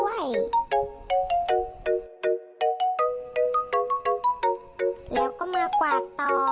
แล้วก็มากวาดต่อ